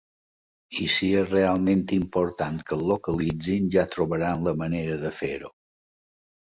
I si és realment important que et localitzin ja trobaran la manera de fer-ho.